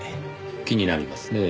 気になりますねぇ。